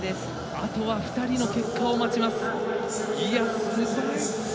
あとは２人の結果を待ちます。